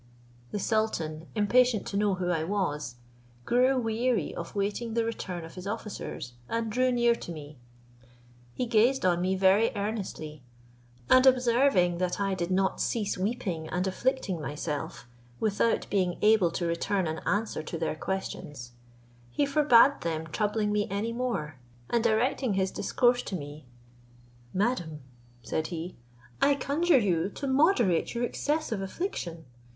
The sultan, impatient to know who I was, grew weary of waiting the return of his officers, and drew near to me. He gazed on me very earnestly, and observing that I did not cease weeping and afflicting myself, without being able to return an answer to their questions, he forbad them troubling me any more; and directing his discourse to me, "Madam," said he, "I conjure you to moderate your excessive affliction.